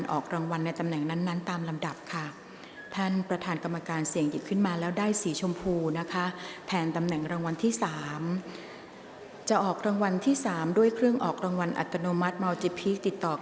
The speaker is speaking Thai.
ออกรางวัลที่๓ครั้งที่๖เลขที่ออก